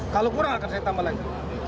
kalau kurang akan saya tambah lagi